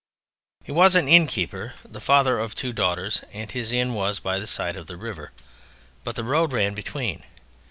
He was an innkeeper, the father of two daughters, and his inn was by the side of the river, but the road ran between.